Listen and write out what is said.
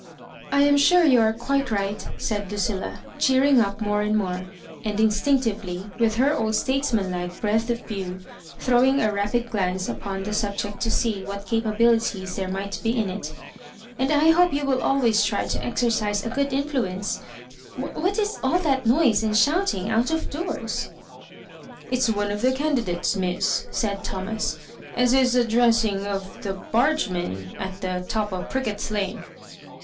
I am sure you are quite right," said Lucilla, cheering up more and more, and instinctively, with her old statesmanlike breadth of view, throw iug a rapid glance upon the subject to see what capabilities there might be in it; ''and I hope you wiU tiy always to exercise a good influence — What is all that noise and shouting out of doors?" *' It's one of the candidates, Miss," said Tho mas, '^ as is addressing of the baigemen at the top o' Prickett's Lane."